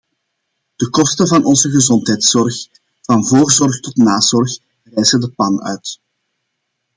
De kosten van onze gezondheidszorg, van voorzorg tot nazorg, rijzen de pan uit.